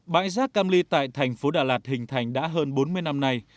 bãi rác cam ly tại thành phố đà lạt hình thành đã hơn bốn mươi năm nay